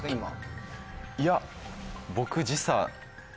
いや僕。